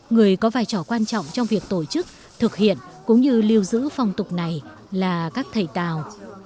người có vai trò quan trọng trong việc tổ chức thực hiện cũng như lưu giữ phong tục này là các thầy tào